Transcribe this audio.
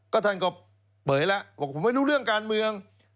ก็ท่านก็เปยแล้วบอกผมไม่รู้เรื่องการเมือง